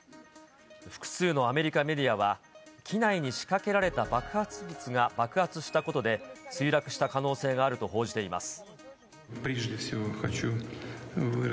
複数のアメリカメディアは、機内に仕掛けられた爆発物が爆発したことで、墜落した可能性があると報じています。